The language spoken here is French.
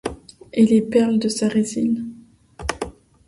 Et les perles de sa résille